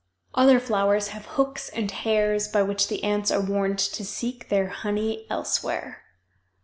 Other flowers have hooks and hairs by which the ants are warned to seek their honey elsewhere.